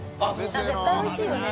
絶対おいしいよね。